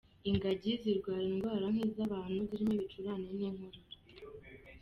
Ingagi zirwara indwara nk izabantu zirimo ibicurane, inkorora.